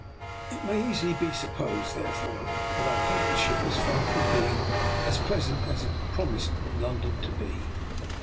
It may easily be supposed, therefore, that our partnership was far from being as pleasant as it had promised in London to be.